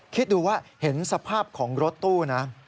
คิดดูว่าเห็นสภาพของรถตู้นะ